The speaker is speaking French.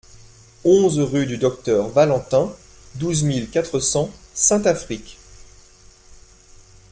onze rue du Docteur Valentin, douze mille quatre cents Saint-Affrique